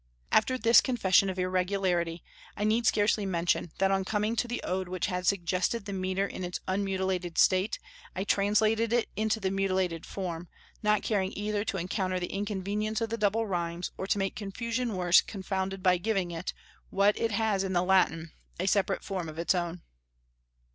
After this confession of irregularity, I need scarcely mention that on coming to the Ode which had suggested the metre in its unmutilated state, I translated it into the mutilated form, not caring either to encounter the inconvenience of the double rhymes, or to make confusion worse confounded by giving it, what it has in the Latin, a separate form of its own.